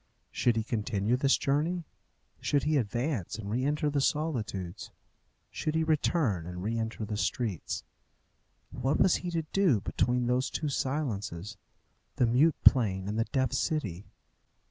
Should he continue this journey? Should he advance and re enter the solitudes? Should he return and re enter the streets? What was he to do between those two silences the mute plain and the deaf city?